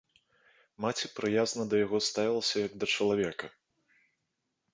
Маці прыязна да яго ставілася як да чалавека.